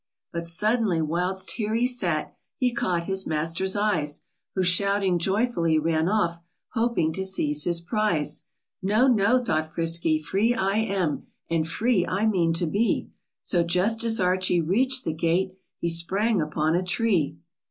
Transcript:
But suddenly whilst here he sat, He caught his master's eyes; Who, shouting joyfully, ran off. Hoping to seize his prize. "No, no,' r thought Frisky, "free /> I am , And free I mean to be !" So, just as Archie reach'd the gate, He sprang upon a tree.